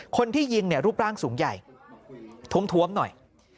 คนที่ยิงเนี่ยรูปร่างสูงใหญ่ท้วมหน่อย